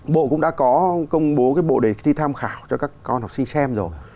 bộ cũng đã có công bố cái bộ đề thi tham khảo cho các con học sinh xem rồi